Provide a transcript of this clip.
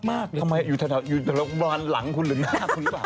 ทำไมอยู่ทะเลาะหลังคุณหรือหน้าคุณหรือเปล่า